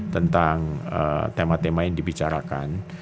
tentang tema tema yang dibicarakan